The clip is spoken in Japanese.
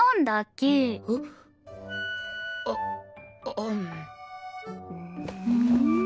ああん。んん？